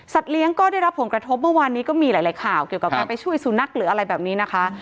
เลี้ยงก็ได้รับผลกระทบเมื่อวานนี้ก็มีหลายข่าวเกี่ยวกับการไปช่วยสุนัขหรืออะไรแบบนี้นะคะ